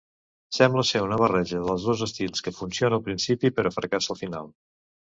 Sembla ser una barreja dels dos estils que funciona al principi, però fracassa al final.